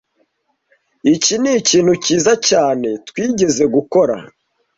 Iki nikintu cyiza cyane twigeze gukora.